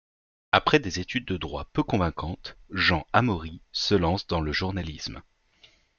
Après des études de droit peu convaincantes, Jean Amaury se lance dans le journalisme.